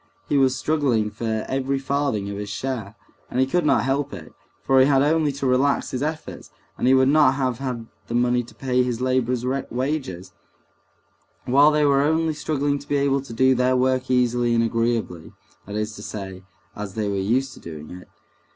He was struggling for every farthing of his share (and he could not help it, for he had only to relax his efforts, and he would not have had the money to pay his laborers' wages), while they were only struggling to be able to do their work easily and agreeably, that is to say, as they were used to doing it.